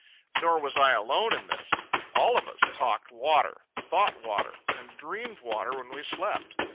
Nor was I alone in this. All of us talked water, thought water, and dreamed water when we slept.